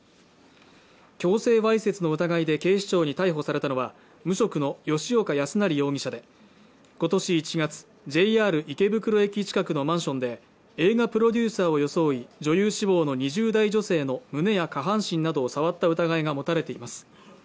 強制わいせつの疑いで警視庁に逮捕されたのは無職の吉岡康成容疑者で今年１月ＪＲ池袋駅近くのマンションで映画プロデューサーを装い女優志望の２０代女性の胸や下半身などを触った疑いが持たれています